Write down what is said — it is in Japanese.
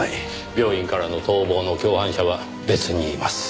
病院からの逃亡の共犯者は別にいます。